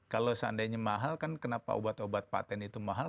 kalau seandainya mahal kan kenapa obat obat patent itu mahal